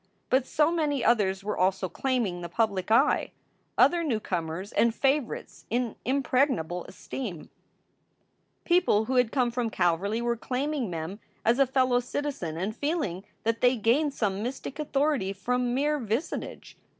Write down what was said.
But so many others were also claiming the public eye! other new comers and favorites in impregnable esteem. SOULS FOR SALE 387 People who had come from Calverly were claiming Mem as a fellow citizen and feeling that they gained some mystic authority from mere vicinage.